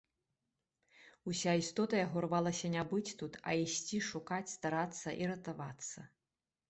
Уся істота яго рвалася не быць тут, а ісці, шукаць, старацца і ратавацца.